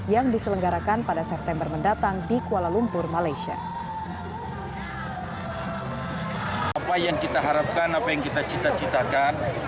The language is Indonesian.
yang diselenggarakan pada september mendatang di kuala lumpur malaysia